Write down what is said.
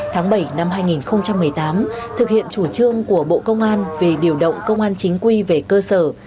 tháng bảy năm hai nghìn một mươi tám thực hiện chủ trương của bộ công an về điều động công an chính quy về cơ sở